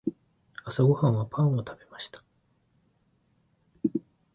朝ごはんはパンを食べました。